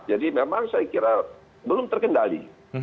jadi memang saya kira belum terkendali